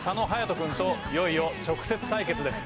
君といよいよ直接対決です。